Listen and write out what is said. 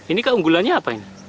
ini keunggulannya apa ini